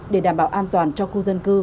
để đảm bảo an toàn cho khu dân cư